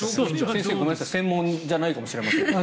先生、ごめんなさい専門じゃないかもしれませんが。